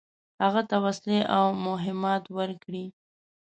هغه ته وسلې او مهمات ورکړي.